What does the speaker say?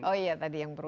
oh iya tadi yang protein